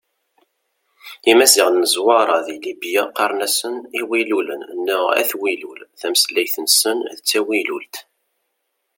Imaziɣen n Zwaṛa deg Libya qqaren-asen Iwilulen neɣ At Wilul, tameslayt-nsen d tawilult.